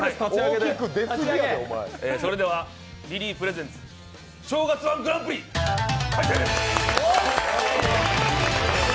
それではリリープレゼンツ「正月−１グランプリ」開催です。